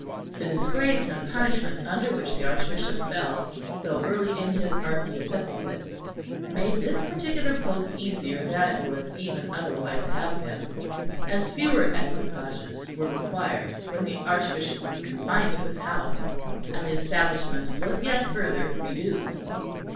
The disgrace and punishment under which the Archbishop fell so early in his archiepiscopate made this particular post easier than it would even otherwise have been; as fewer equipages were required when the Archbishop was confined to his house, and the establishment was yet further reduced.